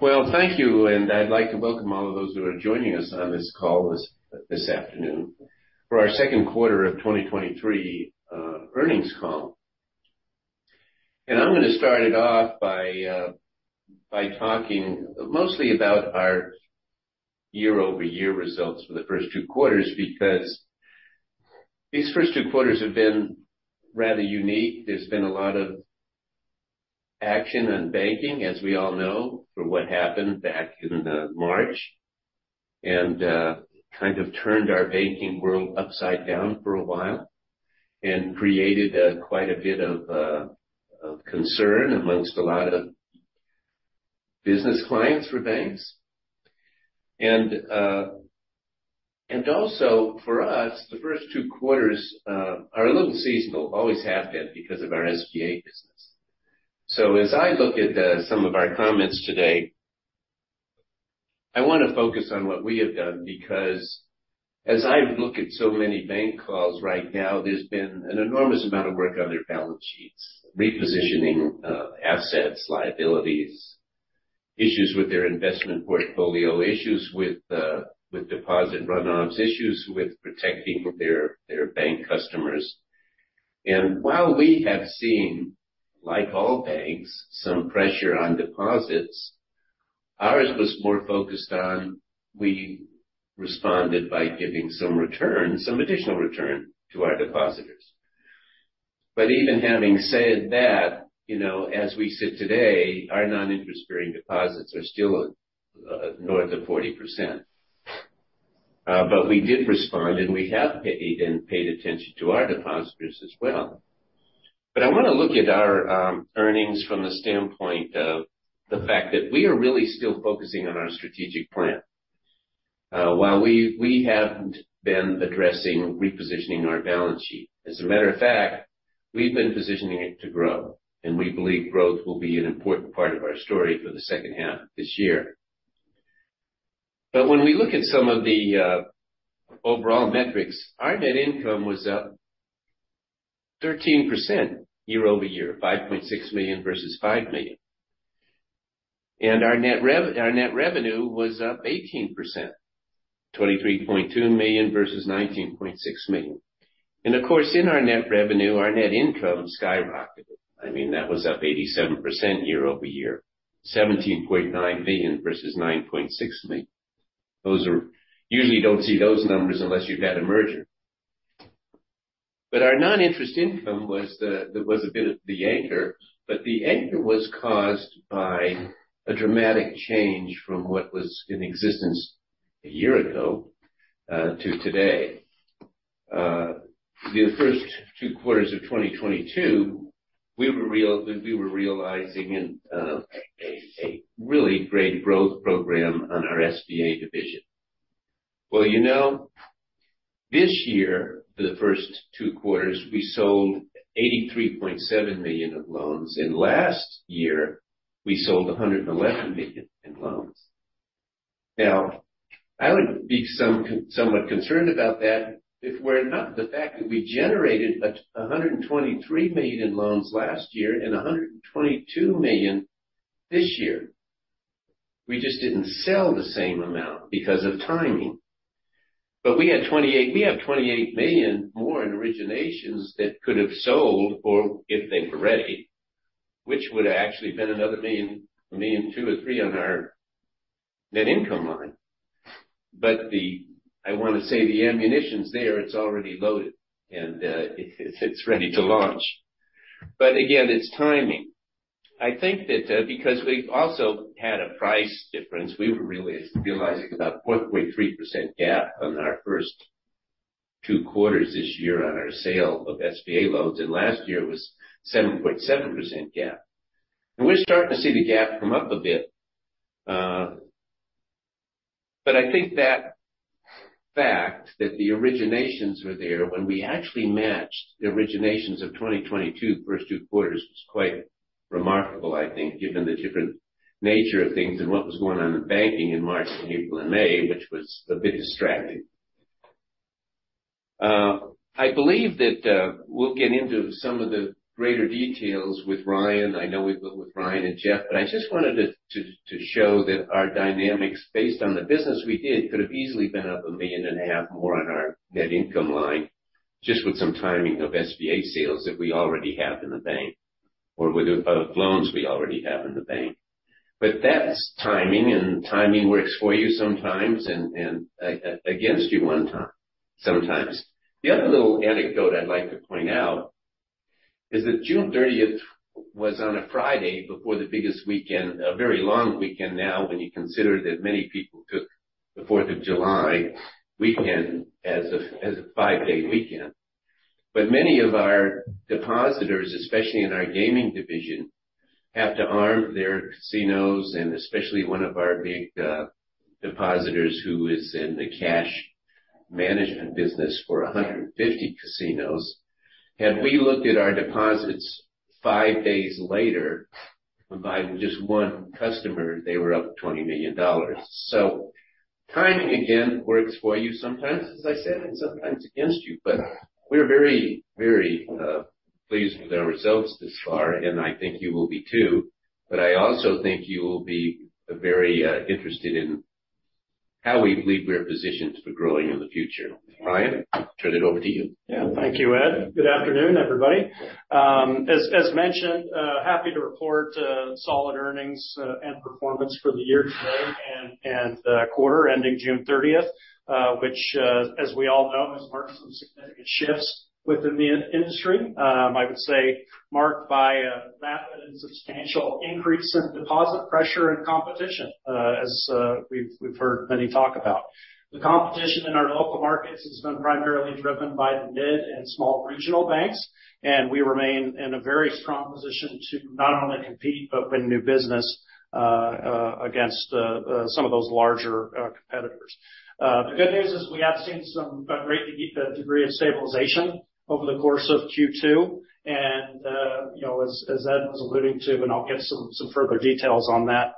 Well, thank you. I'd like to welcome all of those who are joining us on this call this afternoon for our second quarter of 2023 earnings call. I'm gonna start it off by talking mostly about our year-over-year results for the first two quarters, because these first two quarters have been rather unique. There's been a lot of action on banking, as we all know, from what happened back in March, and kind of turned our banking world upside down for a while and created quite a bit of concern amongst a lot of business clients for banks. Also for us, the first two quarters are a little seasonal, always have been because of our SBA business. As I look at some of our comments today, I wanna focus on what we have done, because as I look at so many bank calls right now, there's been an enormous amount of work on their balance sheets, repositioning assets, liabilities, issues with their investment portfolio, issues with deposit runoffs, issues with protecting their bank customers. While we have seen, like all banks, some pressure on deposits, ours was more focused on we responded by giving some return, some additional return to our depositors. Even having said that, you know, as we sit today, our non-interest-bearing deposits are still north of 40%. We did respond, and we have paid attention to our depositors as well. I wanna look at our earnings from the standpoint of the fact that we are really still focusing on our strategic plan. While we haven't been addressing repositioning our balance sheet. As a matter of fact, we've been positioning it to grow, and we believe growth will be an important part of our story for the second half of this year. When we look at some of the overall metrics, our net income was up 13% year-over-year, $5.6 million versus $5 million. Our net revenue was up 18%, $23.2 million versus $19.6 million. Of course, in our net revenue, our net income skyrocketed. I mean, that was up 87% year-over-year, $17.9 million versus $9.6 million. You usually don't see those numbers unless you've had a merger. Our non-interest income was the, there was a bit of the anchor, but the anchor was caused by a dramatic change from what was in existence a year ago, to today. The first two quarters of 2022, we were realizing in a really great growth program on our SBA division. You know, this year, for the first two quarters, we sold $83.7 million of loans, and last year, we sold $111 million in loans. I would be somewhat concerned about that if were it not the fact that we generated $123 million in loans last year and $122 million this year. We just didn't sell the same amount because of timing. We had 28 million more in originations that could have sold or if they were ready, which would have actually been another $1 million, $2 million or $3 million on our net income line. I wanna say, the ammunition's there, it's already loaded, and it's ready to launch. Again, it's timing. I think that, because we've also had a price difference, we were really realizing about 0.3% gap on our first two quarters this year on our sale of SBA loans, and last year it was 7.7% gap. We're starting to see the gap come up a bit. I think that fact that the originations were there when we actually matched the originations of 2022, first two quarters, was quite remarkable, I think, given the different nature of things and what was going on in banking in March and April and May, which was a bit distracting. I believe that we'll get into some of the greater details with Ryan. I know we've built with Ryan and Jeff, I just wanted to show that our dynamics, based on the business we did, could have easily been up a million and a half more on our net income line, just with some timing of SBA sales that we already have in the bank, or with loans we already have in the bank. That's timing, and timing works for you sometimes and against you sometimes. The other little anecdote I'd like to point out is that June 30th was on a Friday before the biggest weekend, a very long weekend now, when you consider that many people took the 4th of July weekend as a, as a five-day weekend. Many of our depositors, especially in our Gaming Division, have to arm their casinos, and especially one of our big depositors, who is in the cash management business for 150 casinos. Had we looked at our deposits five days later, by just one customer, they were up $20 million. Timing again, works for you sometimes, as I said, and sometimes against you. We're very, very pleased with our results this far, and I think you will be too. I also think you will be very interested in how we believe we are positioned for growing in the future. Ryan, I'll turn it over to you. Yeah. Thank you, Ed. Good afternoon, everybody. As mentioned, happy to report solid earnings and performance for the year today, and quarter ending June 30th, which as we all know, has marked some significant shifts within the industry. I would say marked by a rapid and substantial increase in deposit pressure and competition, as we've heard many talk about. The competition in our local markets has been primarily driven by the mid and small regional banks. We remain in a very strong position to not only compete, but win new business against some of those larger competitors. The good news is we have seen some, a great degree of stabilization over the course of Q2, you know, as Ed was alluding to, and I'll get some further details on that,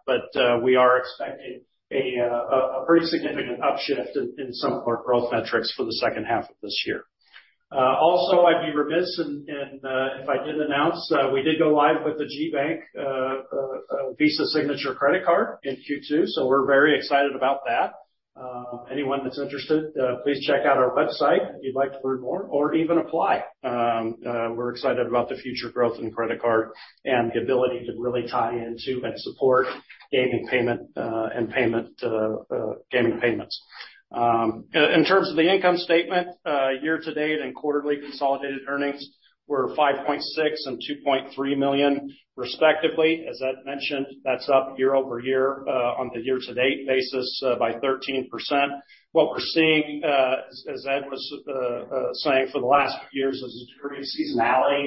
we are expecting a pretty significant upshift in some of our growth metrics for the second half of this year. Also, I'd be remiss and if I didn't announce, we did go live with the GBank Visa Signature Credit Card in Q2, we're very excited about that. Anyone that's interested, please check out our website if you'd like to learn more or even apply. We're excited about the future growth in credit card and the ability to really tie into and support gaming payment and gaming payments. In terms of the income statement, year-to-date and quarterly consolidated earnings were $5.6 million and $2.3 million, respectively. As Ed mentioned, that's up year-over-year on the year-to-date basis by 13%. What we're seeing, as Ed was saying for the last few years, is a degree of seasonality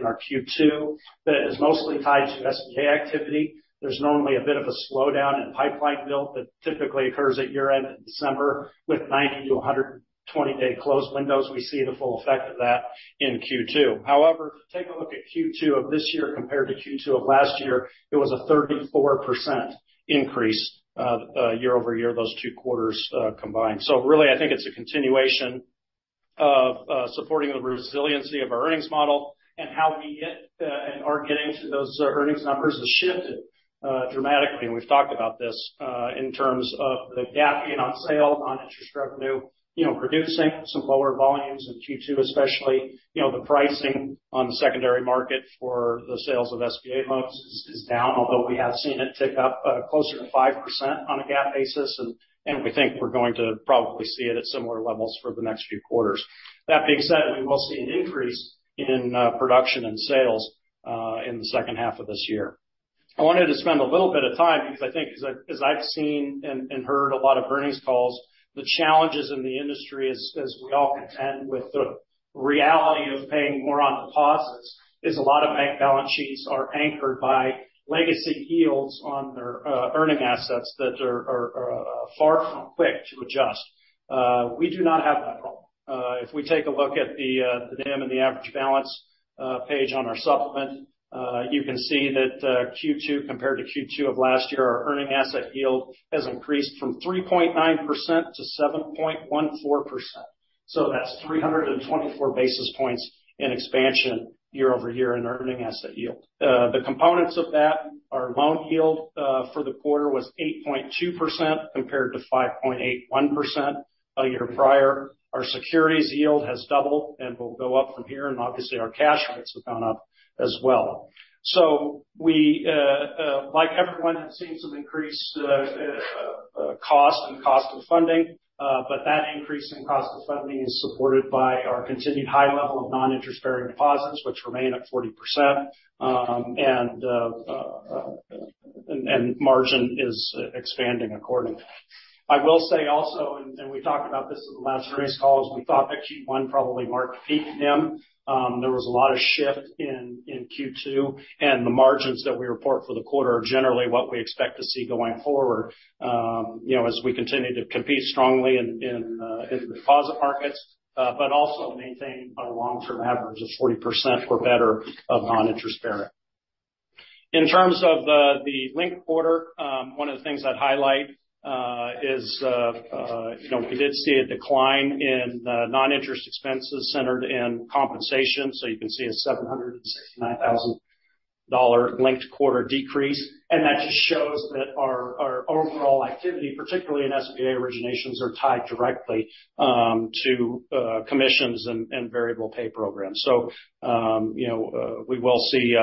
in our Q2 that is mostly tied to SBA activity. There's normally a bit of a slowdown in pipeline build that typically occurs at year-end in December, with 90-120-day close windows. We see the full effect of that in Q2. However, take a look at Q2 of this year compared to Q2 of last year, it was a 34% increase year-over-year, those two quarters combined. Really, I think it's a continuation of supporting the resiliency of our earnings model and how we get and are getting to those earnings numbers has shifted dramatically. We've talked about this in terms of the GAAP gain on sale, non-interest revenue, you know, reducing some lower volumes in Q2, especially, you know, the pricing on the secondary market for the sales of SBA loans is down, although we have seen it tick up closer to 5% on a GAAP basis, and we think we're going to probably see it at similar levels for the next few quarters. That being said, we will see an increase in production and sales in the second half of this year. I wanted to spend a little bit of time because I think as I've seen and heard a lot of earnings calls, the challenges in the industry as we all contend with the reality of paying more on deposits, is a lot of bank balance sheets are anchored by legacy yields on their earning assets that are far from quick to adjust. We do not have that problem. If we take a look at the NIM and the average balance page on our supplement, you can see that Q2 compared to Q2 of last year, our earning asset yield has increased from 3.9%-7.14%. So that's 324 basis points in expansion year-over-year in earning asset yield. The components of that, our loan yield for the quarter was 8.2%, compared to 5.81% a year prior. Our securities yield has doubled and will go up from here, and obviously, our cash rates have gone up as well. We, like everyone, have seen some increased cost and cost of funding, but that increase in cost of funding is supported by our continued high level of non-interest-bearing deposits, which remain at 40%. Margin is expanding accordingly. I will say also, and we talked about this in the last earnings call, is we thought that Q1 probably marked peak NIM. The margins that we report for the quarter are generally what we expect to see going forward, you know, as we continue to compete strongly in deposit markets, but also maintain our long-term average of 40% or better of non-interest bearing. In terms of the linked quarter, one of the things I'd highlight is, you know, we did see a decline in non-interest expenses centered in compensation. You can see a $769,000 linked quarter decrease. That just shows that our overall activity, particularly in SBA originations, are tied directly to commissions and variable pay programs. you know, we will see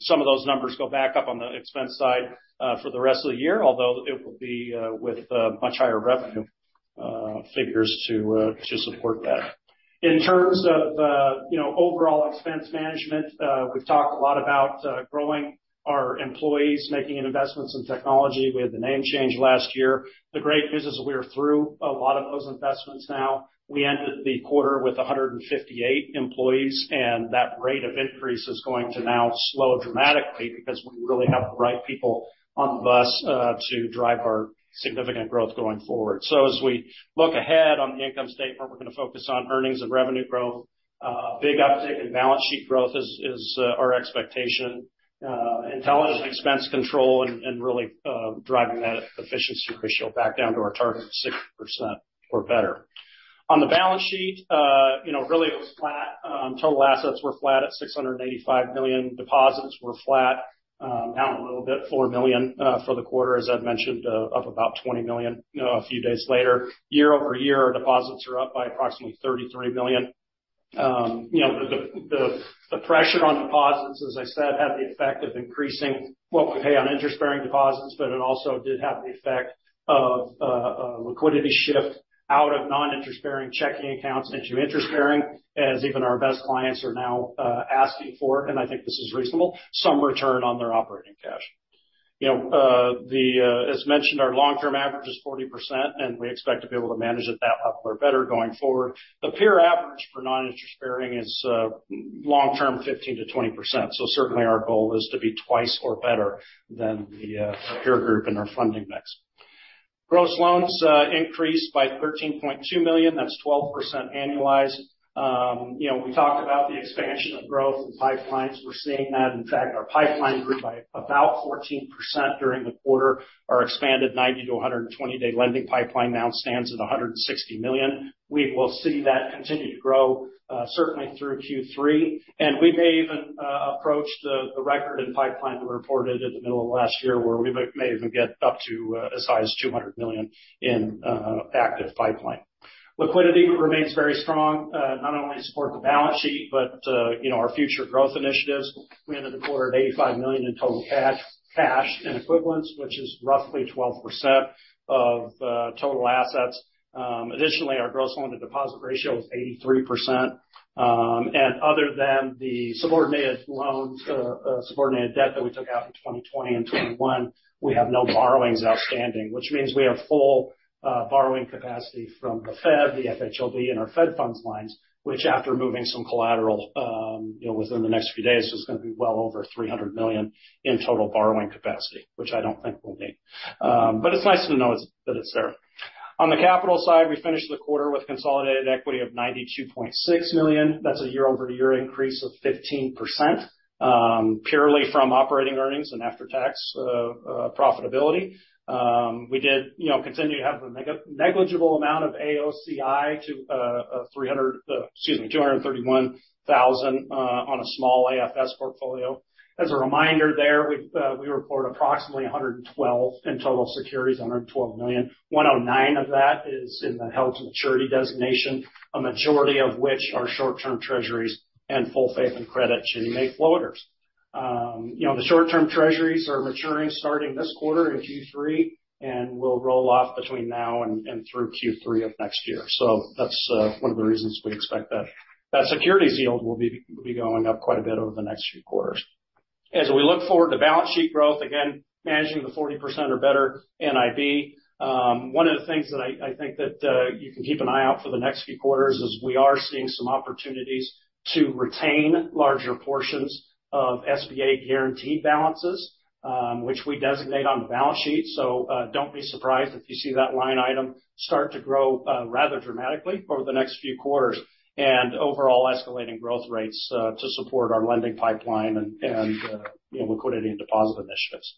some of those numbers go back up on the expense side for the rest of the year, although it will be with much higher revenue figures to support that. In terms of, you know, overall expense management, we've talked a lot about growing our employees, making investments in technology. We had the name change last year. The great news is we are through a lot of those investments now. We ended the quarter with 158 employees, and that rate of increase is going to now slow dramatically because we really have the right people on the bus to drive our significant growth going forward. As we look ahead on the income statement, we're going to focus on earnings and revenue growth. A big uptick in balance sheet growth is our expectation. Intelligent expense control and really driving that efficiency ratio back down to our target of 60% or better. On the balance sheet, you know, really, it was flat. Total assets were flat at $685 million. Deposits were flat, down a little bit, $4 million for the quarter, as I've mentioned, up about $20 million a few days later. Year-over-year, our deposits are up by approximately $33 million. You know, the pressure on deposits, as I said, had the effect of increasing what we pay on interest-bearing deposits, but it also did have the effect of a liquidity shift out of non-interest bearing checking accounts into interest-bearing, as even our best clients are now asking for, and I think this is reasonable, some return on their operating cash. You know, as mentioned, our long-term average is 40%, and we expect to be able to manage it that level or better going forward. The peer average for non-interest bearing is long-term, 15%-20%. Certainly our goal is to be twice or better than the peer group in our funding mix. Gross loans increased by $13.2 million. That's 12% annualized. You know, we talked about the expansion of growth and pipelines. We're seeing that. In fact, our Pipeline grew by about 14% during the quarter. Our expanded 90-120-day lending Pipeline now stands at $160 million. We will see that continue to grow, certainly through Q3, and we may even approach the record in Pipeline we reported in the middle of last year, where we may even get up to a size $200 million in active Pipeline. Liquidity remains very strong, not only to support the balance sheet, you know, our future growth initiatives. We ended the quarter at $85 million in total cash and equivalents, which is roughly 12% of total assets. Additionally, our gross loan to deposit ratio was 83%. Other than the subordinated loans, subordinated debt that we took out in 2020 and 2021, we have no borrowings outstanding, which means we have full borrowing capacity from the Fed, the FHLB, and our Fed funds lines, which, after moving some collateral, you know, within the next few days, is going to be well over $300 million in total borrowing capacity, which I don't think we'll need. It's nice to know that it's there. On the capital side, we finished the quarter with consolidated equity of $92.6 million. That's a year-over-year increase of 15%, purely from operating earnings and after-tax profitability. We did, you know, continue to have a negligible amount of AOCI to $231,000 on a small AFS portfolio. As a reminder there, we report approximately 112 in total securities, $112 million. $109 million of that is in the held-to-maturity designation, a majority of which are short-term treasuries and full faith and credit Ginnie Mae floaters. You know, the short-term treasuries are maturing starting this quarter in Q3, and will roll off between now and through Q3 of next year. That's one of the reasons we expect that securities yield will be going up quite a bit over the next few quarters. As we look forward to balance sheet growth, again, managing the 40% or better NIB. One of the things that I think that you can keep an eye out for the next few quarters is we are seeing some opportunities to retain larger portions of SBA guaranteed balances, which we designate on the balance sheet. Don't be surprised if you see that line item start to grow rather dramatically over the next few quarters, and overall escalating growth rates to support our Lending Pipeline and, you know, liquidity and Deposit Initiatives.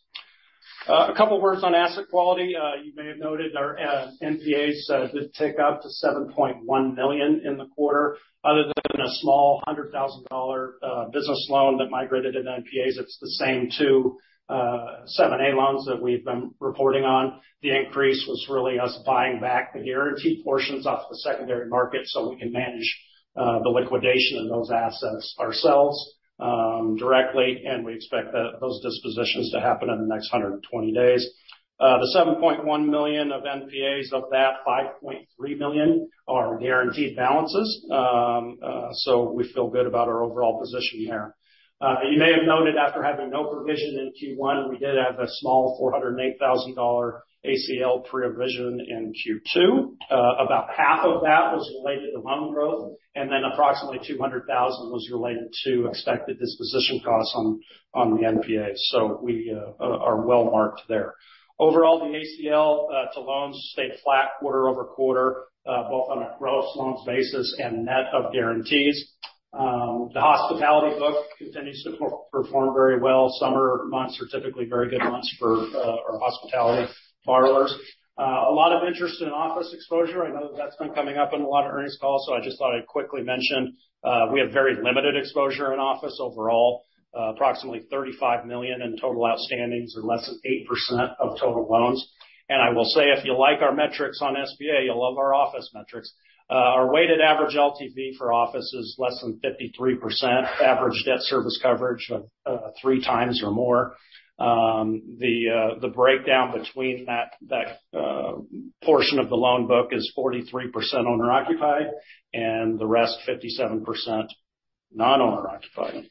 A couple words on asset quality. You may have noted our NPAs did tick up to $7.1 million in the quarter. Other than a small $100,000 business loan that migrated into NPAs, it's the same 2 7(a) loans that we've been reporting on. The increase was really us buying back the guaranteed portions off the secondary market, so we can manage the liquidation of those assets ourselves directly. We expect that those dispositions to happen in the next 120 days. The $7.1 million of NPAs, of that, $5.3 million are guaranteed balances. We feel good about our overall position here. You may have noted, after having no provision in Q1, we did have a small $408,000 ACL pre-provision in Q2. About half of that was related to loan growth, approximately $200,000 was related to expected disposition costs on the NPA. We are well marked there. Overall, the ACL to loans stayed flat quarter-over-quarter, both on a gross loans basis and net of guarantees. The hospitality book continues to perform very well. Summer months are typically very good months for our hospitality borrowers. A lot of interest in office exposure. I know that's been coming up in a lot of earnings calls, so I just thought I'd quickly mention, we have very limited exposure in office overall, approximately $35 million in total outstandings, or less than 8% of total loans. I will say, if you like our metrics on SBA, you'll love our office metrics. Our weighted average LTV for office is less than 53%. Average debt service coverage of 3x or more. The breakdown between that portion of the loan book is 43% owner-occupied, and the rest, 57%, non-owner occupied.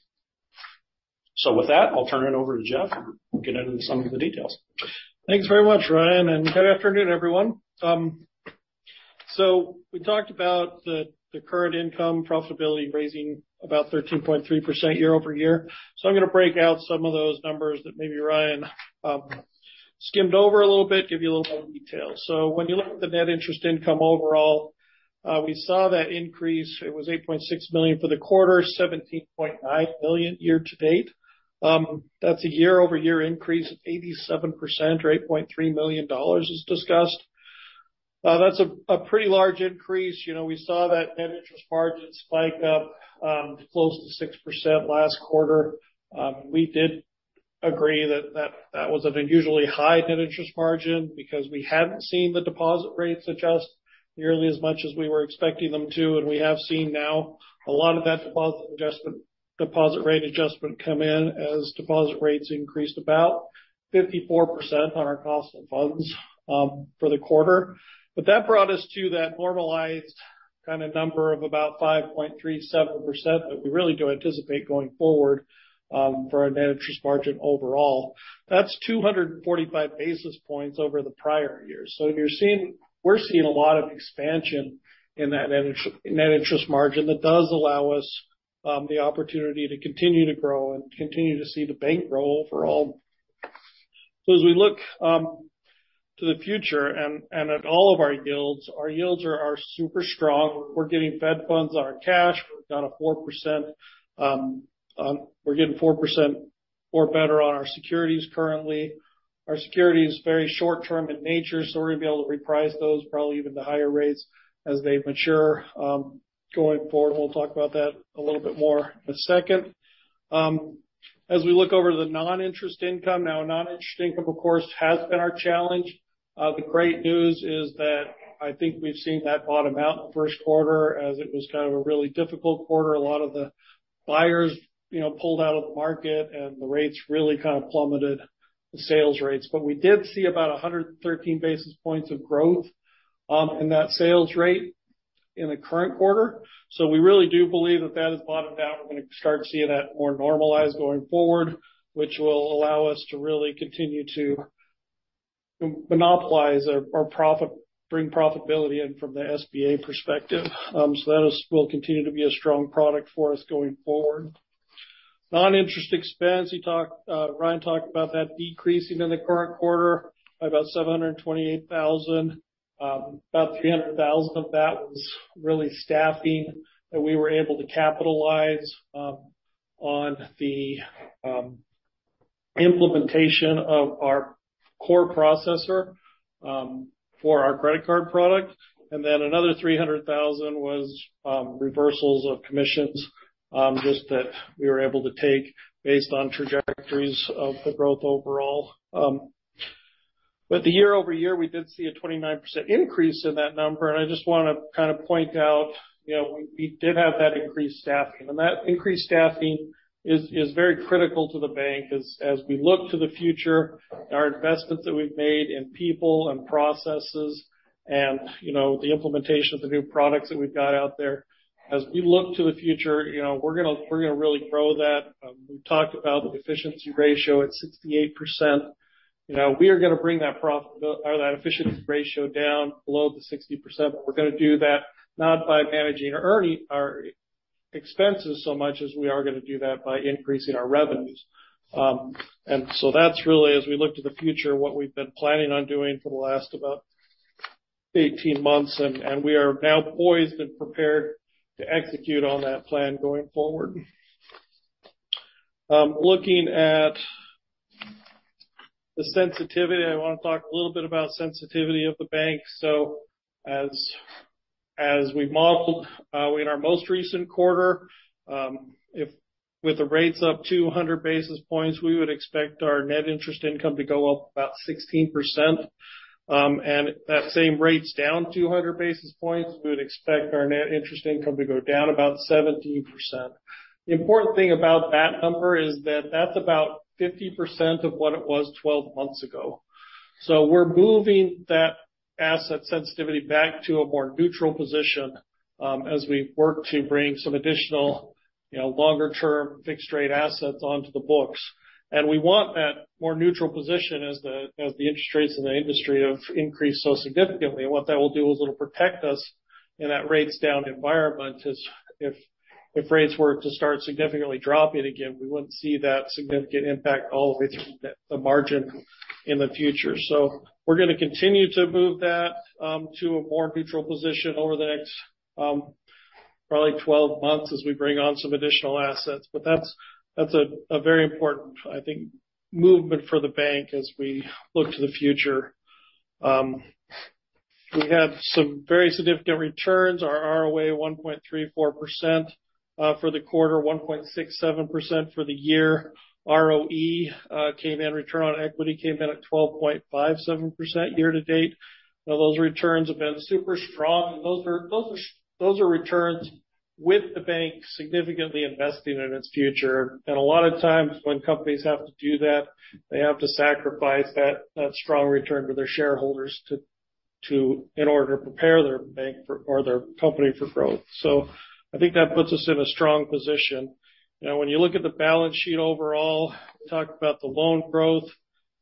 With that, I'll turn it over to Jeff, and we'll get into some of the details. Thanks very much, Ryan. Good afternoon, everyone. We talked about the current income profitability raising about 13.3% year-over-year. I'm going to break out some of those numbers that maybe Ryan skimmed over a little bit, give you a little more detail. When you look at the net interest income overall, we saw that increase. It was $8.6 million for the quarter, $17.9 million year-to-date. That's a year-over-year increase of 87% or $8.3 million as discussed. That's a pretty large increase. You know, we saw that net interest margin spike up close to 6% last quarter. We did agree that that was an unusually high net interest margin because we hadn't seen the deposit rates adjust nearly as much as we were expecting them to, and we have seen now a lot of that deposit rate adjustment come in as deposit rates increased about 54% on our cost of funds for the quarter. That brought us to that normalized kind of number of about 5.37% that we really do anticipate going forward for our net interest margin overall. That's 245 basis points over the prior year. We're seeing a lot of expansion in that net interest margin that does allow us the opportunity to continue to grow and continue to see the bank grow overall. As we look to the future and at all of our yields, our yields are super strong. We're getting Fed funds on our cash. We're getting 4% or better on our securities currently. Our security is very short-term in nature, so we're going to be able to reprice those probably even to higher rates as they mature going forward. We'll talk about that a little bit more in a second. As we look over the non-interest income, now, non-interest income, of course, has been our challenge. The great news is that I think we've seen that bottom out in the first quarter as it was kind of a really difficult quarter. A lot of the buyers, you know, pulled out of the market, and the rates really kind of plummeted the sales rates. We did see about 113 basis points of growth in that sales rate in the current quarter. We really do believe that that has bottomed out. We're going to start seeing that more normalized going forward, which will allow us to really continue to bring profitability in from the SBA perspective. That will continue to be a strong product for us going forward. Non-interest expense, Ryan talked about that decreasing in the current quarter by about $728,000. About $300,000 of that was really staffing, that we were able to capitalize on the implementation of our core processor for our credit card product. Another $300,000 was reversals of commissions, just that we were able to take based on trajectories of the growth overall. The year-over-year, we did see a 29% increase in that number, and I just want to kind of point out, you know, we did have that increased staffing, and that increased staffing is very critical to the bank as we look to the future, our investments that we've made in people and processes and, you know, the implementation of the new products that we've got out there. As we look to the future, you know, we're gonna really grow that. We've talked about the efficiency ratio at 68%. You know, we are going to bring that or that efficiency ratio down below the 60%, but we're going to do that not by managing our earning, our expenses so much as we are going to do that by increasing our revenues. That's really as we look to the future, what we've been planning on doing for the last about 18 months, and we are now poised and prepared to execute on that plan going forward. Looking at the sensitivity, I want to talk a little bit about sensitivity of the bank. As we modeled, in our most recent quarter, if with the rates up 200 basis points, we would expect our net interest income to go up about 16%. If that same rate's down 200 basis points, we would expect our net interest income to go down about 17%. The important thing about that number is that that's about 50% of what it was 12 months ago. We're moving that asset sensitivity back to a more neutral position, as we work to bring some additional, you know, longer-term fixed rate assets onto the books. We want that more neutral position as the interest rates in the industry have increased so significantly. What that will do is it'll protect us in that rates down environment as if rates were to start significantly dropping again, we wouldn't see that significant impact all the way through the margin in the future. We're going to continue to move that to a more neutral position over the next probably 12 months as we bring on some additional assets. That's a very important, I think, movement for the bank as we look to the future. We have some very significant returns. Our ROA, 1.34% for the quarter, 1.67% for the year. ROE came in, return on equity came in at 12.57% year-to-date. Those returns have been super strong, and those are returns with the bank significantly investing in its future. A lot of times when companies have to do that, they have to sacrifice that strong return to their shareholders to in order to prepare their bank for or their company for growth. I think that puts us in a strong position. You know, when you look at the balance sheet overall, we talked about the loan growth,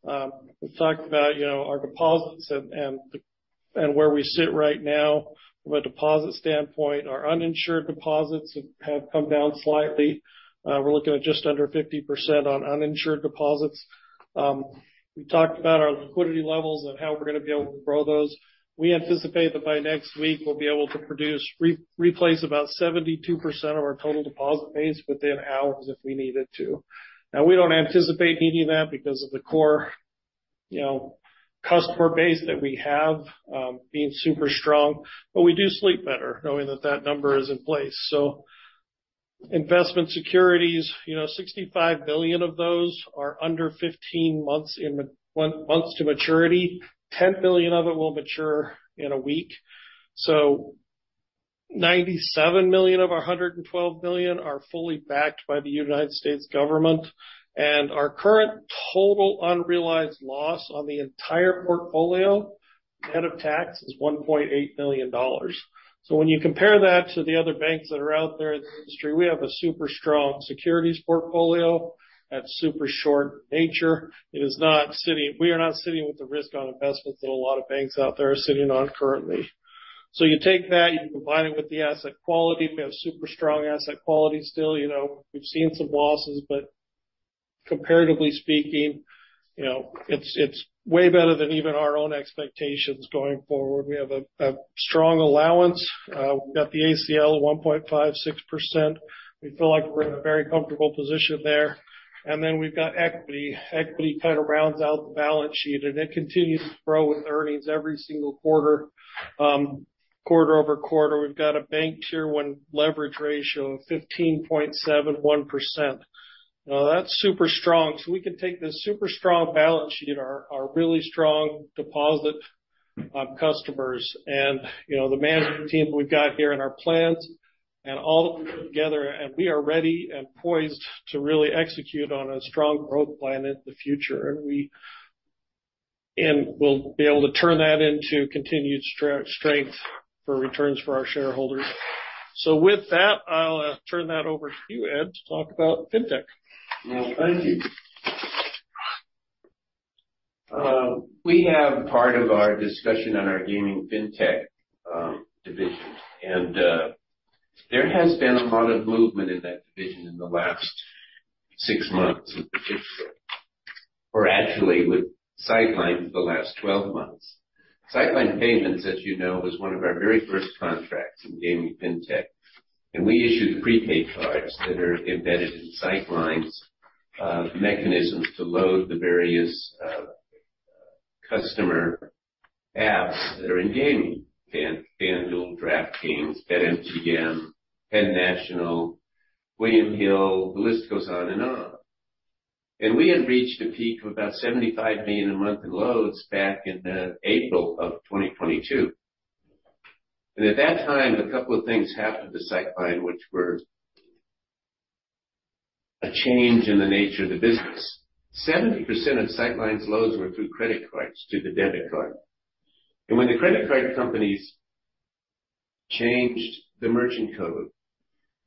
we talked about, you know, our deposits and where we sit right now, from a deposit standpoint, our uninsured deposits have come down slightly. We're looking at just under 50% on uninsured deposits. We talked about our liquidity levels and how we're going to be able to grow those. We anticipate that by next week, we'll be able to produce, re-replace about 72% of our total deposit base within hours, if we needed to. Now, we don't anticipate needing that because of the core, you know, customer base that we have, being super strong, but we do sleep better knowing that that number is in place. Investment securities, you know, $65 billion of those are under 15 months in months to maturity. $10 billion of it will mature in a week. $97 million of our $112 billion are fully backed by the United States government, and our current total unrealized loss on the entire portfolio, net of tax, is $1.8 million. When you compare that to the other banks that are out there in the industry, we have a super strong securities portfolio at super short nature. We are not sitting with the risk on investments that a lot of banks out there are sitting on currently. You take that, you combine it with the asset quality. We have super strong asset quality still. You know, we've seen some losses, comparatively speaking, you know, it's way better than even our own expectations going forward. We have a strong allowance. We've got the ACL at 1.56%. We feel like we're in a very comfortable position there. We've got equity. Equity kind of rounds out the balance sheet, and it continues to grow with earnings every single quarter. Quarter-over-quarter, we've got a bank Tier 1 leverage ratio of 15.71%. That's super strong. We can take this super strong balance sheet, our really strong deposit customers, and, you know, the management team we've got here, and our plans, and all put together, and we are ready and poised to really execute on a strong growth plan in the future. we'll be able to turn that into continued strength for returns for our shareholders. With that, I'll turn that over to you, Ed, to talk about Fintech. Well, thank you. We have part of our discussion on our Gaming FinTech division. There has been a lot of movement in that division in the last 6 months, or actually with Sightline, the last 12 months. Sightline Payments, as you know, was one of our very first contracts in Gaming FinTech. We issued the prepaid cards that are embedded in Sightline's mechanisms to load the various customer apps that are in gaming, FanDuel, DraftKings, BetMGM, BetNational, William Hill. The list goes on and on. We had reached a peak of about $75 million a month in loads back in April of 2022. At that time, a couple of things happened to Sightline, which were a change in the nature of the business. 70% of Sightline's loads were through credit cards to the debit card. When the credit card companies changed the merchant code,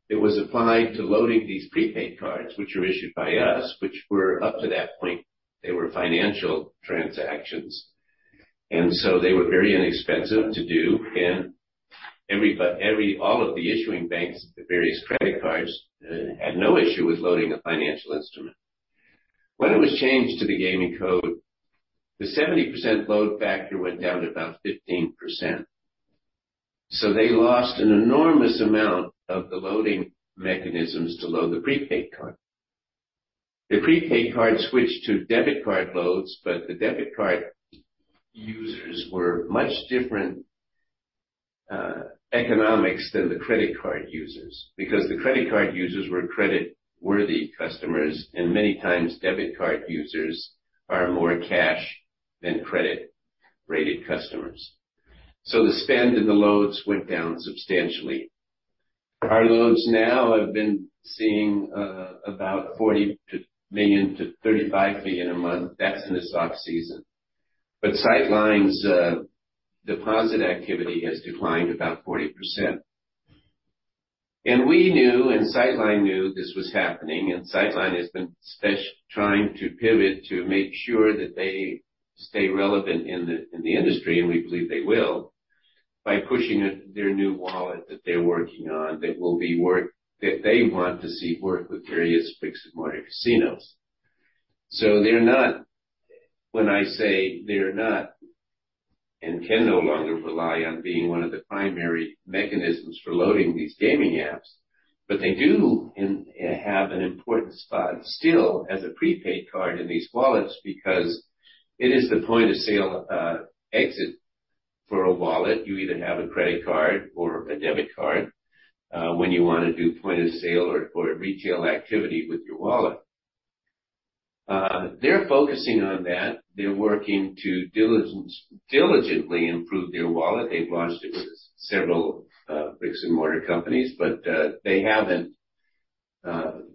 it was applied to loading these prepaid cards, which were issued by us, which were up to that point, they were financial transactions, and so they were very inexpensive to do. All of the issuing banks, the various credit cards, had no issue with loading a financial instrument. When it was changed to the gaming code, the 70% load factor went down to about 15%. They lost an enormous amount of the loading mechanisms to load the prepaid card. The prepaid card switched to debit card loads, but the debit card users were much different economics than the credit card users, because the credit card users were credit-worthy customers, and many times debit card users are more cash than credit-rated customers. The spend and the loads went down substantially. Our loads now have been seeing, about $40 to million to $35 million a month. That's in the off season. Sightline's deposit activity has declined about 40%. We knew, and Sightline knew this was happening, and Sightline has been trying to pivot to make sure that they stay relevant in the industry, and we believe they will, by pushing it, their new wallet that they're working on, that will be that they want to see work with various bricks-and-mortar casinos. They're not when I say they're not, and can no longer rely on being one of the primary mechanisms for loading these gaming apps, but they do have an important spot still as a prepaid card in these wallets because it is the point-of-sale exit for a wallet. You either have a credit card or a debit card, when you want to do point of sale or retail activity with your wallet. They're focusing on that. They're working to diligently improve their wallet. They've launched it with several bricks-and-mortar companies, but they haven't gotten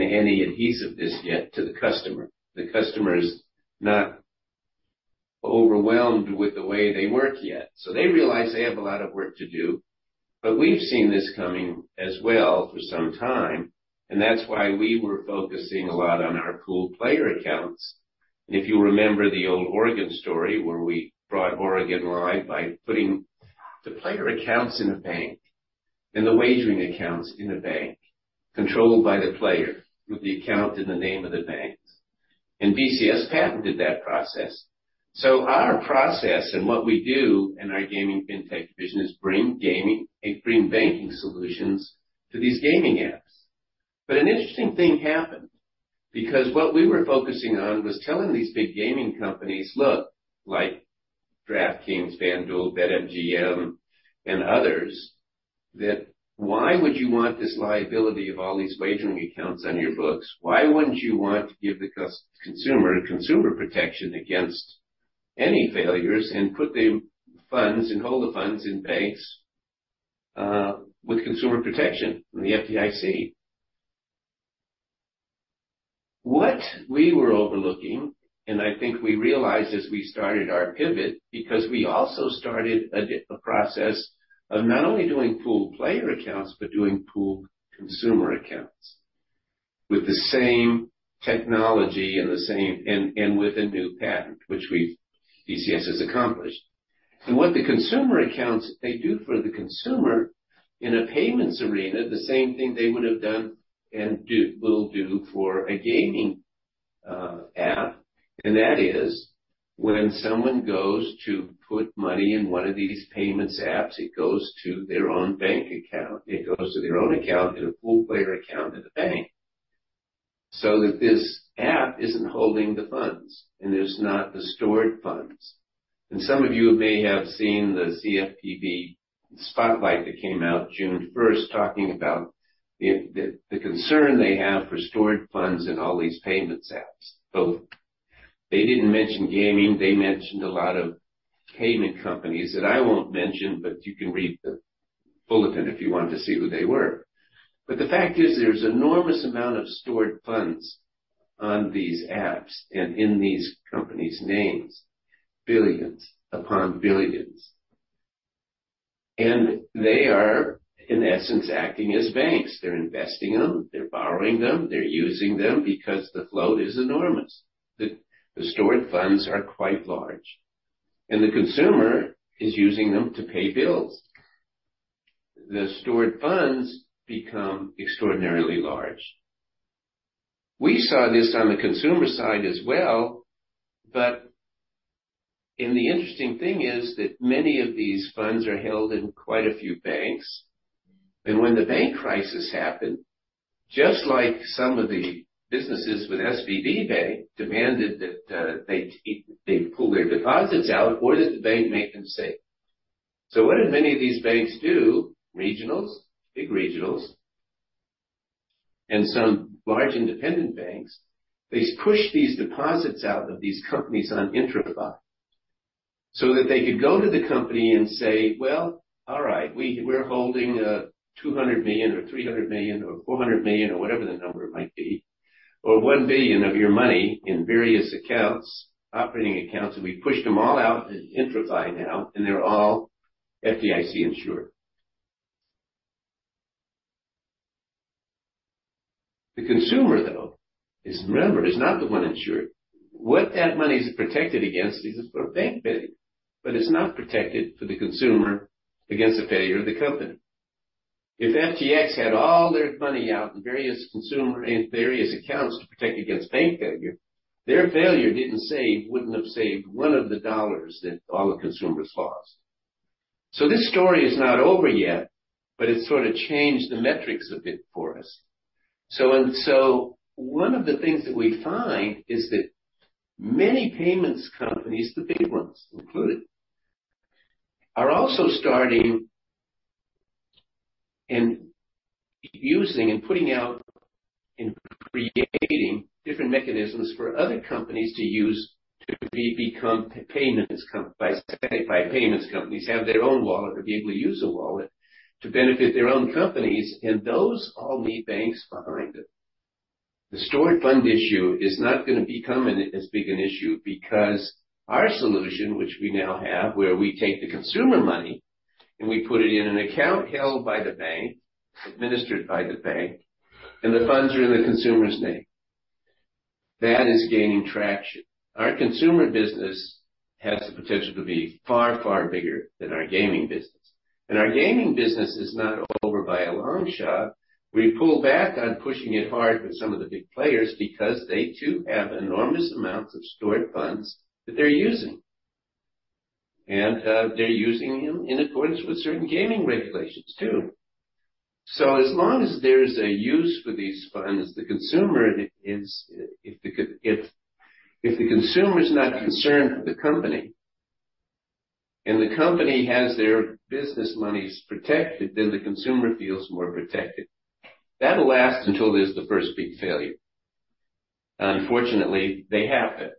any adhesive just yet to the customer. The customer is not overwhelmed with the way they work yet, so they realize they have a lot of work to do. We've seen this coming as well for some time, and that's why we were focusing a lot on our Pooled Player Accounts. If you remember the old Oregon story, where we brought Oregon live by putting the player accounts in a bank, and the wagering accounts in a bank, controlled by the player, with the account in the name of the banks. BCS patented that process. Our process and what we do in our Gaming fintech division is bring gaming and bring banking solutions to these gaming apps. An interesting thing happened, because what we were focusing on was telling these big gaming companies, Look, like DraftKings, FanDuel, BetMGM, and others, that why would you want this liability of all these wagering accounts on your books? Why wouldn't you want to give the consumer protection against any failures and put the funds, and hold the funds in banks, with consumer protection from the FDIC? What w e were overlooking, and I think we realized as we started our pivot, because we also started a process of not only doing Pooled Player Accounts, but doing Pooled Consumer Accounts, with the same technology and the same with a new patent, which we've, BCS has accomplished. What the consumer accounts they do for the consumer in a payments arena, the same thing they would have done and will do for a gaming app, that is when someone goes to put money in one of these payments apps, it goes to their own bank account. It goes to their own account in a Pooled Player Account in the bank, that this app isn't holding the funds, there's not the stored funds. Some of you may have seen the CFPB spotlight that came out June 1st, talking about the concern they have for stored funds in all these payments apps. They didn't mention gaming, they mentioned a lot of payment companies that I won't mention, but you can read the bulletin if you want to see who they were. The fact is, there's enormous amount of stored funds on these apps and in these companies' names, dollar-billions upon billions. They are, in essence, acting as banks. They're investing them, they're borrowing them, they're using them because the flow is enormous. The stored funds are quite large, and the consumer is using them to pay bills. The stored funds become extraordinarily large. We saw this on the consumer side as well, but... The interesting thing is that many of these funds are held in quite a few banks, and when the bank crisis happened, just like some of the businesses with SVB Bank demanded that they pull their deposits out, or did the bank make them safe? What did many of these banks do? Regionals, big regionals and some large independent banks, they pushed these deposits out of these companies on IntraFi, so that they could go to the company and say, Well, all right, we're holding $200 million or $300 million or $400 million, or whatever the number might be, or $1 billion of your money in various accounts, operating accounts, and we pushed them all out in IntraFi now, and they're all FDIC insured." The consumer, though, is remember, is not the one insured. What that money is protected against is a bank failure, but it's not protected for the consumer against the failure of the company. If FTX had all their money out in various consumer and various accounts to protect against bank failure, their failure didn't save, wouldn't have saved one of the dollars that all the consumers lost. This story is not over yet, but it sort of changed the metrics a bit for us. One of the things that we find is that many payments companies, the big ones included, are also starting and using and putting out and creating different mechanisms for other companies to use to become payments companies, have their own wallet or be able to use a wallet to benefit their own companies, and those all need banks behind it. The stored fund issue is not gonna become as big an issue, because our solution, which we now have, where we take the consumer money and we put it in an account held by the bank, administered by the bank, and the funds are in the consumer's name. That is gaining traction. Our Consumer business has the potential to be far, far bigger than our Gaming business. Our Gaming business is not over by a long shot. We pulled back on pushing it hard with some of the big players because they, too, have enormous amounts of stored funds that they're using. They're using them in accordance with certain gaming regulations, too. As long as there's a use for these funds, the consumer is, if the consumer is not concerned with the company, and the company has their business monies protected, then the consumer feels more protected. That'll last until there's the first big failure. Unfortunately, they happen.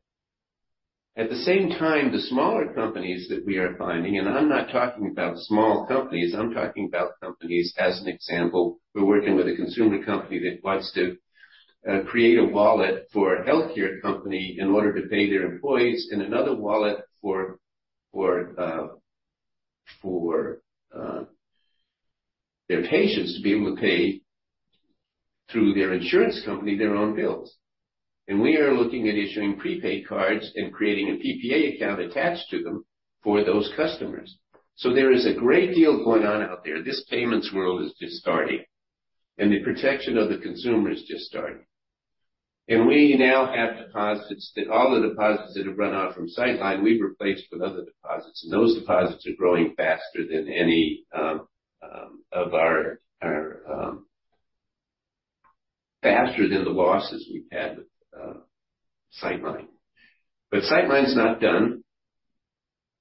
At the same time, the smaller companies that we are finding, and I'm not talking about small companies, I'm talking about companies, as an example, we're working with a consumer company that wants to create a wallet for a healthcare company in order to pay their employees and another wallet for their patients to be able to pay through their insurance company, their own bills. We are looking at issuing prepaid cards and creating a PPA account attached to them for those customers. There is a great deal going on out there. This payments world is just starting, and the protection of the consumer is just starting. We now have deposits that all the deposits that have run off from Sightline, we've replaced with other deposits, and those deposits are growing faster than any of our faster than the losses we've had with Sightline. Sightline's not done.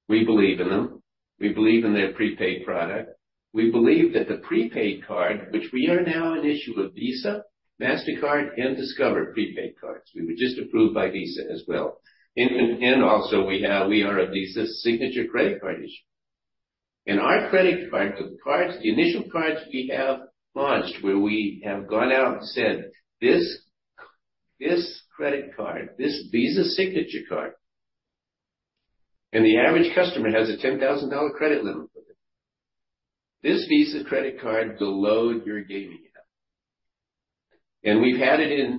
We believe in them. We believe in their prepaid product. We believe that the prepaid card, which we are now an issuer of Visa, Mastercard, and Discover prepaid cards, we were just approved by Visa as well. Also we are a Visa Signature Credit Card issuer. Our credit card, the cards, the initial cards we have launched, where we have gone out and said, this credit card, this Visa Signature Card, the average customer has a $10,000 credit limit with it. This Visa Credit Card will load your gaming account.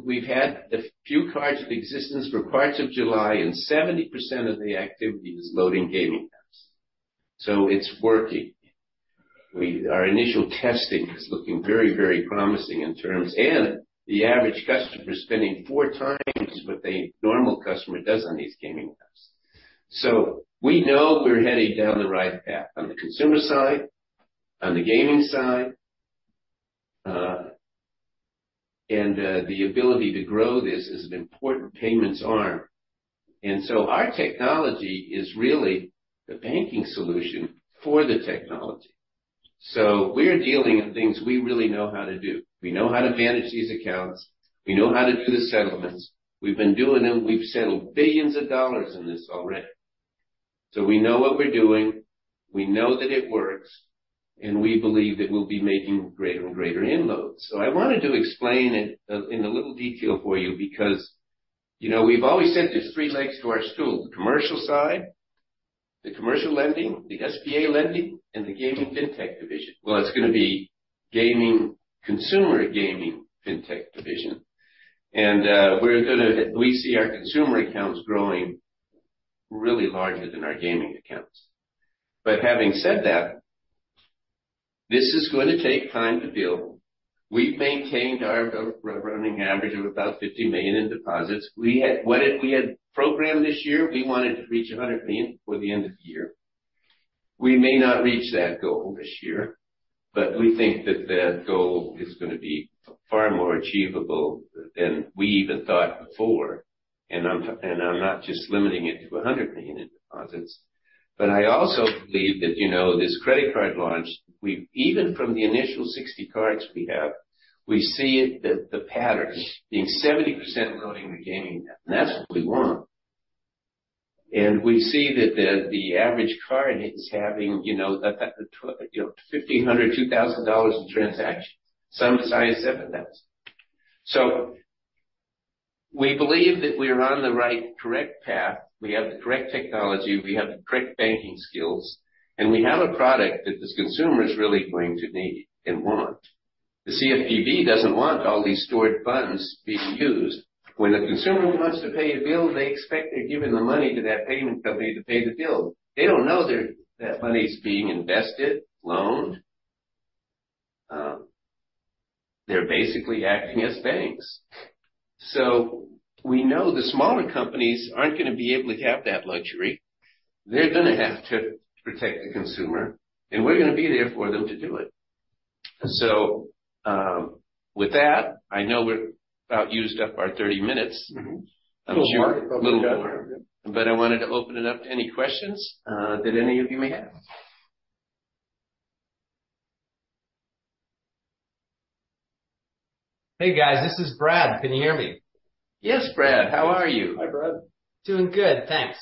We've had a few cards of existence for parts of July, 70% of the activity is loading gaming accounts. It's working. Our initial testing is looking very, very promising in terms. The average customer is spending four times what the normal customer does on these gaming apps. We know we're headed down the right path on the consumer side, on the gaming side, and the ability to grow this as an important payments arm. Our technology is really the banking solution for the technology. We're dealing in things we really know how to do. We know how to manage these accounts. We know how to do the settlements. We've been doing them. We've settled $billions in this already. We know what we're doing, we know that it works, and we believe that we'll be making greater and greater inroads. I wanted to explain it in a little detail for you because, you know, we've always said there's three legs to our stool: the Commercial side, the Commercial lending, the SBA lending, and the Gaming FinTech division. It's gonna be Gaming, Consumer Gaming, FinTech division. We see our consumer accounts growing really larger than our Gaming accounts. Having said that, this is going to take time to build. We've maintained our running average of about $50 million in deposits. We had programmed this year, we wanted to reach $100 million before the end of the year. We may not reach that goal this year, but we think that that goal is going to be far more achievable than we even thought before, and I'm not just limiting it to $100 million in deposits. I also believe that, you know, this credit card launch, even from the initial 60 cards we have, we see that the pattern being 70% loading the Gaming, and that's what we want. We see that the average card is having, you know, $1,500, $2,000 in transactions, some as high as $7,000. We believe that we are on the right, correct path. We have the correct technology, we have the correct banking skills, and we have a product that the consumer is really going to need and want. The CFPB doesn't want all these stored funds being used. When a consumer wants to pay a bill, they expect they're giving the money to that payment company to pay the bill. They don't know that money is being invested, loaned. They're basically acting as banks. We know the smaller companies aren't gonna be able to have that luxury. They're gonna have to protect the consumer, and we're gonna be there for them to do it. With that, I know we're about used up our 30 minutes. I'm sure a little more, but I wanted to open it up to any questions that any of you may have. Hey, guys, this is Brad. Can you hear me? Yes, Brad, how are you? Hi, Brad. Doing good, thanks.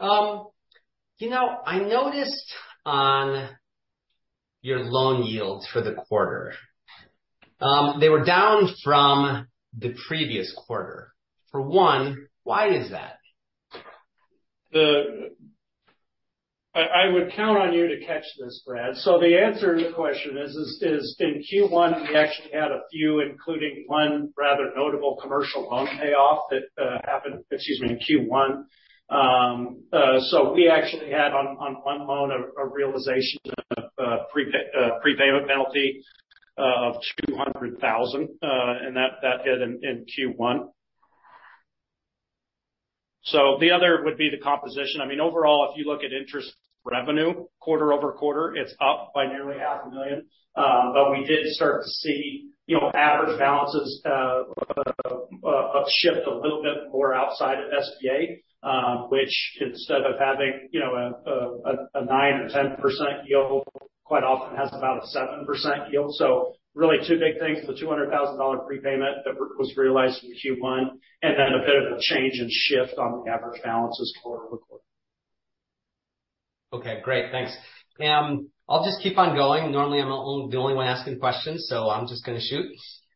you know, I noticed on your loan yields for the quarter, they were down from the previous quarter. For one, why is that? I would count on you to catch this, Brad. The answer to the question is in Q1, we actually had a few, including one rather notable commercial loan payoff that happened, excuse me, in Q1. We actually had on one loan a realization of prepayment penalty of $200,000, and that hit in Q1. The other would be the composition. I mean, overall, if you look at interest revenue, quarter-over-quarter, it's up by nearly half a million. We did start to see, you know, average balances shift a little bit more outside of SBA, which instead of having, you know, a 9% or 10% yield, quite often has about a 7% yield. Really two big things, the $200,000 prepayment that was realized in Q1, and then a bit of a change in shift on the average balances quarter-over-quarter. Okay, great. Thanks. I'll just keep on going. Normally, I'm the only one asking questions, so I'm just gonna shoot.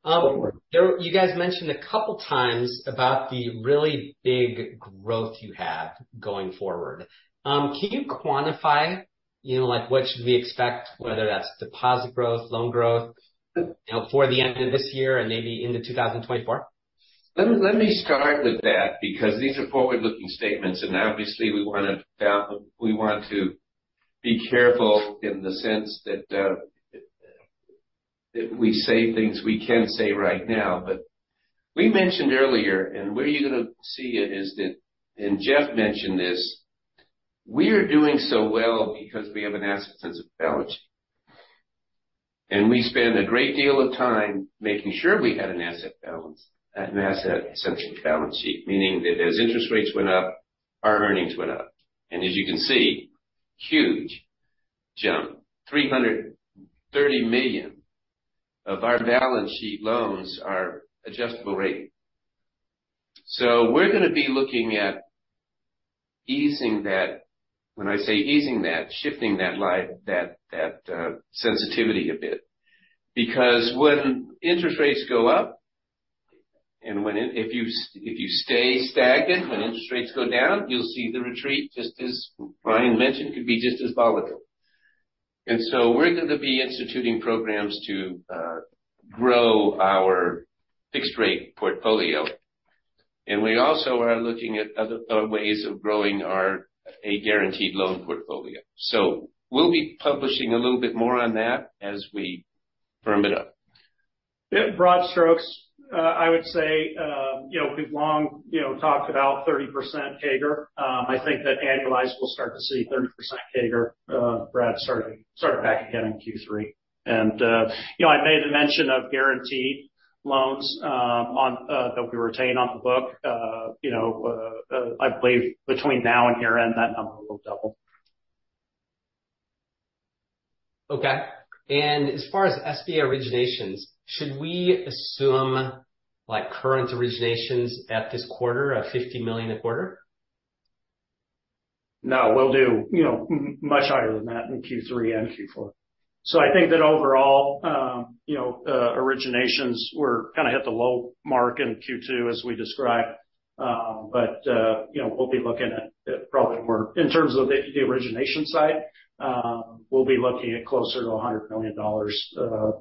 Sure. You guys mentioned a couple of times about the really big growth you have going forward. Can you quantify, you know, like, what should we expect, whether that's deposit growth, loan growth, you know, for the end of this year and maybe into 2024? Let me start with that, because these are forward-looking statements, and obviously we want to be careful in the sense that we say things we can say right now. We mentioned earlier, and where you're gonna see it is that, and Jeff mentioned this, we are doing so well because we have an asset-sensitive balance sheet. We spend a great deal of time making sure we had an asset balance, an asset-centric balance sheet, meaning that as interest rates went up, our earnings went up. As you can see, huge jump. $330 million of our balance sheet loans are adjustable rate. We're gonna be looking at easing that. When I say easing that, shifting that sensitivity a bit. When interest rates go up and if you stay stagnant, when interest rates go down, you'll see the retreat, just as Ryan mentioned, could be just as volatile. We're going to be instituting programs to grow our fixed-rate portfolio. We also are looking at other ways of growing our, a guaranteed loan portfolio. We'll be publishing a little bit more on that as we firm it up. Yeah, broad strokes. I would say, you know, we've long, you know, talked about 30% CAGR. I think that annualized, we'll start to see 30% CAGR, Brad, starting back again in Q3. You know, I made the mention of guaranteed loans on that we retain on the book. You know, I believe between now and year-end, that number will double. Okay. As far as SBA originations, should we assume, like, current originations at this quarter, at $50 million a quarter? No, we'll do, you know, much higher than that in Q3 and Q4. I think that overall, you know, originations were kind of hit the low mark in Q2, as we described. You know, we'll be looking at probably more. In terms of the origination side, we'll be looking at closer to $100 million,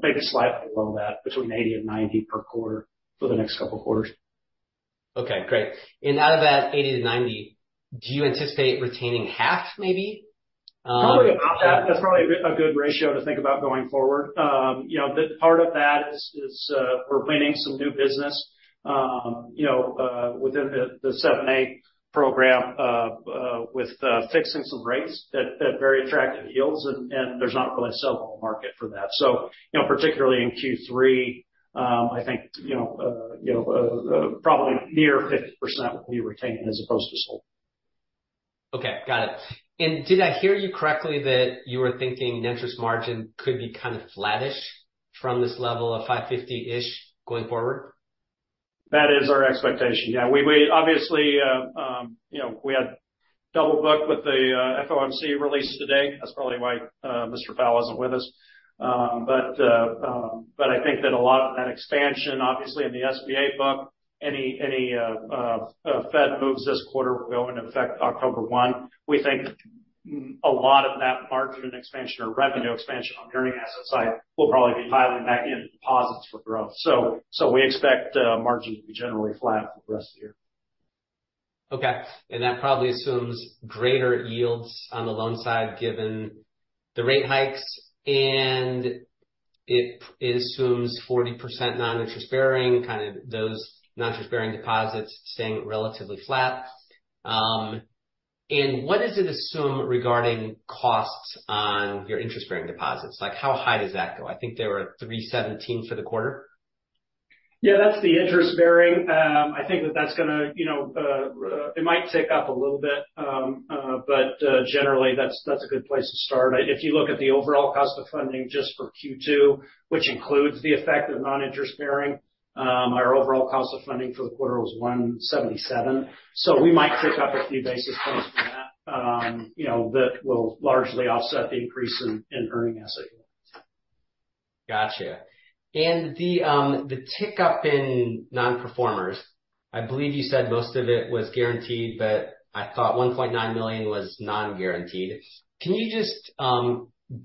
maybe slightly below that, between $80 million and $90 million per quarter for the next couple of quarters. Okay, great. Out of that $80 million-$90 million, do you anticipate retaining half, maybe? Probably about that. That's probably a good ratio to think about going forward. you know, the part of that is we're winning some new business, you know, within the 7(a) program, with fixing some rates at very attractive yields, and there's not really a sellable market for that. Particularly in Q3, I think, you know, you know, probably near 50% will be retained as opposed to sold. Okay, got it. Did I hear you correctly, that you were thinking net interest margin could be kind of flattish from this level of 5.50%-ish going forward? That is our expectation, yeah. We obviously, you know, we had double-booked with the FOMC release today. That's probably why Mr. Powell isn't with us. I think that a lot of that expansion, obviously in the SBA book, any Fed moves this quarter will go into effect October 1. We think a lot of that margin expansion or revenue expansion on earning asset side will probably be dialing back into deposits for growth. We expect margins to be generally flat for the rest of the year. Okay. That probably assumes greater yields on the loan side, given the rate hikes, and it assumes 40% non-interest-bearing, kind of those non-interest-bearing deposits staying relatively flat. What does it assume regarding costs on your interest-bearing deposits? Like, how high does that go? I think they were 3.17% for the quarter. Yeah, that's the interest-bearing. I think that that's gonna. You know, it might tick up a little bit, but generally, that's a good place to start. If you look at the overall cost of funding just for Q2, which includes the effect of non-interest-bearing, our overall cost of funding for the quarter was 1.77%. We might tick up a few basis points from that, you know, that will largely offset the increase in earning asset yields. The tick-up in non-performers, I believe you said most of it was guaranteed, but I thought $1.9 million was non-guaranteed. Can you just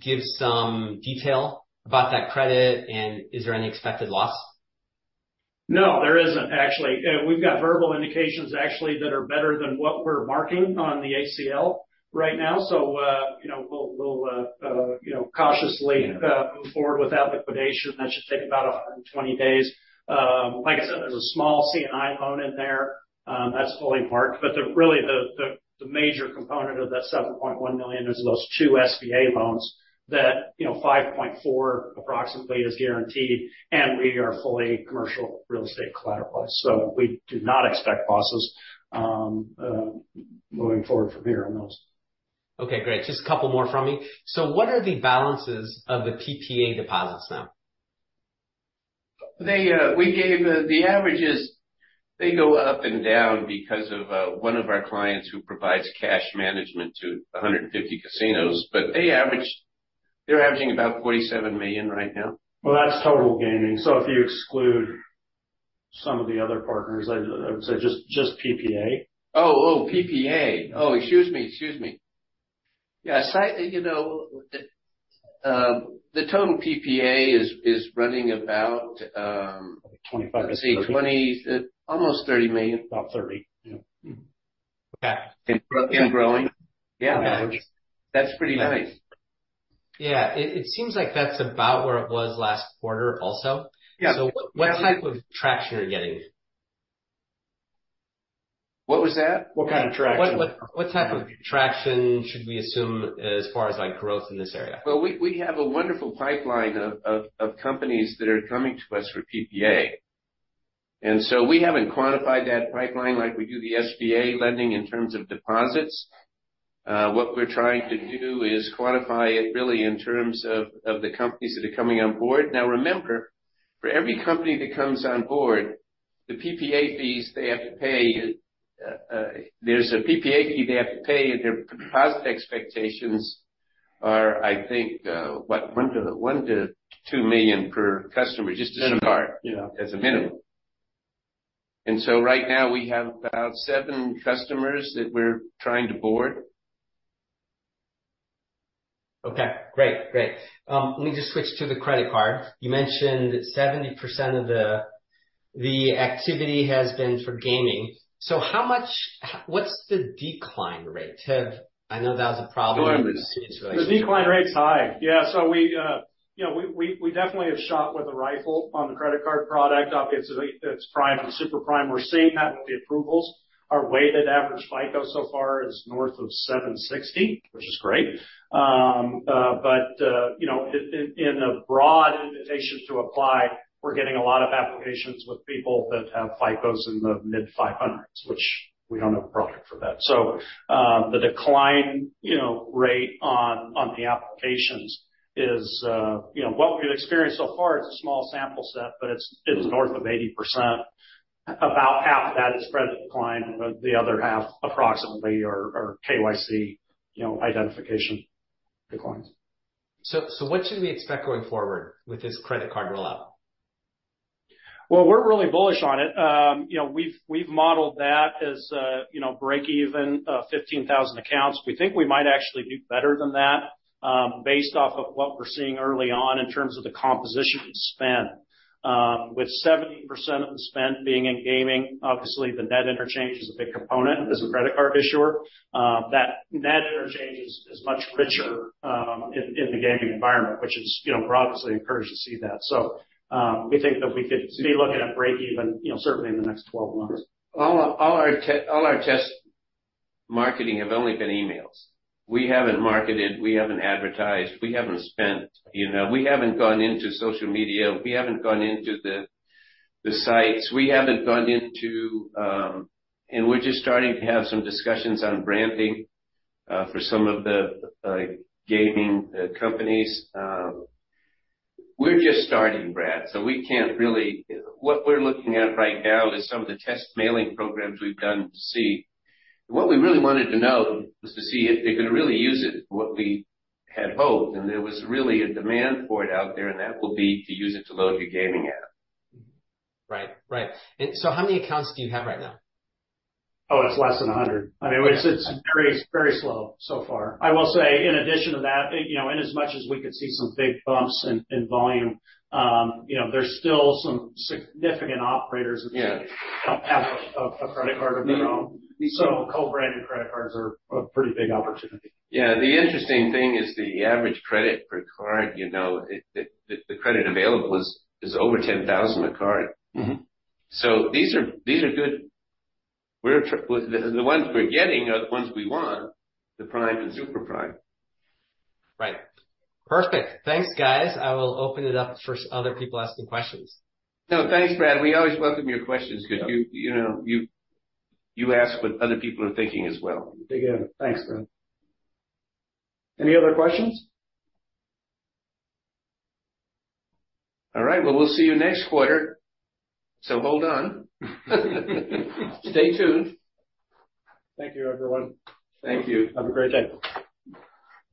give some detail about that credit, and is there any expected loss? No, there isn't, actually. We've got verbal indications, actually, that are better than what we're marking on the ACL right now, you know, we'll cautiously move forward with that liquidation. That should take about 120 days. Like I said, there's a small C&I loan in there, that's fully marked, the really, the major component of that $7.1 million is those two SBA loans that, you know, $5.4 approximately is guaranteed, and we are fully commercial real estate collateralized, we do not expect losses moving forward from here on those. Okay, great. Just a couple more from me. What are the balances of the PPA deposits now? They, we gave the averages, they go up and down because of one of our clients who provides cash management to 150 casinos, but they're averaging about $47 million right now. Well, that's total gaming. If you exclude some of the other partners, I would say just PPA. PPA. Excuse me. I, you know, the total PPA is running about. $25 million. Let's see, $20 million, almost $30 million. About $30 million, yeah. Okay. Growing? Yeah. Yeah. That's pretty nice. Yeah. It seems like that's about where it was last quarter also. Yeah. What type of traction are you getting? What was that? What kind of traction? What type of traction should we assume as far as, like, growth in this area? Well, we have a wonderful pipeline of companies that are coming to us for PPA. So we haven't quantified that pipeline like we do the SBA lending in terms of deposits. What we're trying to do is quantify it really in terms of the companies that are coming on board. Now, remember, for every company that comes on board, the PPA fees they have to pay, there's a PPA fee they have to pay, and their deposit expectations are, I think, what? $1 million-$2 million per customer, just to start... Yeah. As a minimum. Right now, we have about seven customers that we're trying to board. Okay, great. Great. let me just switch to the credit card. You mentioned that 70% of the activity has been for gaming. What's the decline rate? I know that was a problem. Go ahead, Brad. The decline rate's high. We, you know, we definitely have shot with a rifle on the credit card product. Obviously, it's prime and super prime. We're seeing that with the approvals. Our weighted average FICO so far is north of 760, which is great. You know, in a broad invitation to apply, we're getting a lot of applications with people that have FICOs in the mid-500s, which we don't have a product for that. The decline, you know, rate on the applications is, you know, what we've experienced so far, it's a small sample set, but it's. It's north of 80%. About half of that is credit decline, but the other half approximately are KYC, you know, identification declines. What should we expect going forward with this credit card rollout? Well, we're really bullish on it. You know, we've modeled that as a, you know, breakeven, 15,000 accounts. We think we might actually do better than that, based off of what we're seeing early on in terms of the composition spend. With 70% of the spend being in gaming, obviously, the net interchange is a big component as a credit card issuer. That net interchange is much richer in the Gaming environment, which is, you know, we're obviously encouraged to see that. We think that we could be looking at breakeven, you know, certainly in the next 12 months. All our test marketing have only been emails. We haven't marketed, we haven't advertised, we haven't spent. You know, we haven't gone into social media. We haven't gone into the sites. We haven't gone into. We're just starting to have some discussions on branding for some of the gaming companies. We're just starting, Brad, so we can't really. What we're looking at right now is some of the test marketing programs we've done to see. What we really wanted to know was to see if they're going to really use it, what we had hoped, and there was really a demand for it out there, and that will be to use it to load your gaming app. Right. Right. How many accounts do you have right now? Oh, it's less than 100. I mean, it's very slow so far. I will say, in addition to that, you know, in as much as we could see some big bumps in volume, you know, there's still some significant operators. Yeah. that don't have a credit card of their own. Co-branded credit cards are a pretty big opportunity. Yeah. The interesting thing is the average credit per card, you know, it, the credit available is over $10,000 a card. These are good. The ones we're getting are the ones we want, the prime and super prime. Right. Perfect. Thanks, guys. I will open it up for other people asking questions. No, thanks, Brad. We always welcome your questions because you know, you ask what other people are thinking as well. You bet. Thanks, Brad. Any other questions? All right. Well, we'll see you next quarter, so hold on. Stay tuned. Thank you, everyone. Thank you. Have a great day.